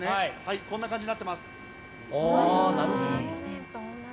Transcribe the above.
こんな感じになってます。